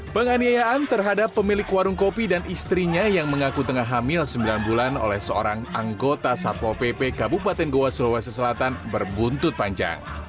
penganiayaan terhadap pemilik warung kopi dan istrinya yang mengaku tengah hamil sembilan bulan oleh seorang anggota satpol pp kabupaten goa sulawesi selatan berbuntut panjang